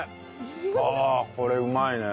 あこれうまいね。